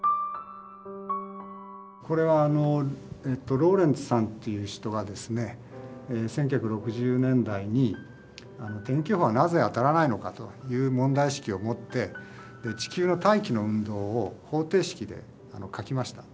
これはローレンツさんっていう人がですね１９６０年代に天気予報はなぜ当たらないのかという問題意識を持って地球の大気の運動を方程式で書きました。